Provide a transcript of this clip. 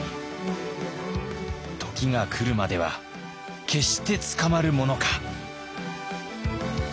時が来るまでは決して捕まるものか。